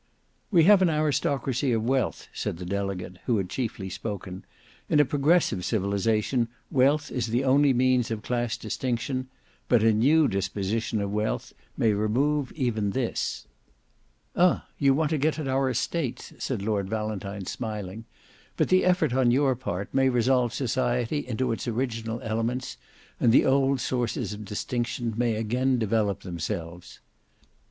"We have an aristocracy of wealth," said the delegate who had chiefly spoken. "In a progressive civilization wealth is the only means of class distinction: but a new disposition of wealth may remove even this." "Ah! you want to get at our estates," said Lord Valentine smiling; "but the effort on your part may resolve society into its original elements, and the old sources of distinction may again develop themselves."